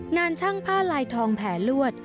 ช่างผ้าลายทองแผลลวด